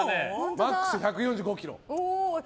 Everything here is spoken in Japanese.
マックス１４５ｋｇ。